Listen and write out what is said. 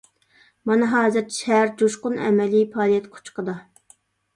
مانا ھازىر شەھەر جۇشقۇن ئەمەلىي پائالىيەت قۇچىقىدا.